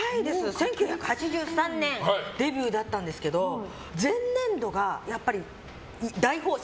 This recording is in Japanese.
１９８３年デビューだったんですけど前年度が大豊作。